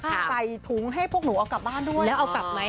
ใส่ถุงให้พวกหนูเอากลับบ้านด้วยแล้วเอากลับไหม